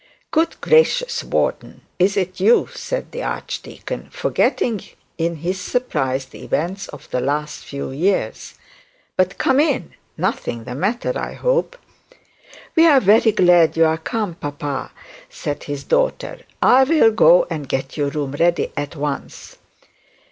'Good gracious, Warden, is it you?' said the archdeacon, forgetting in his surprise the events of the last few years. 'But come in; nothing is the matter, I hope?' 'We are very glad you are come, papa,' said his daughter. 'I'll go and get your room ready at once.'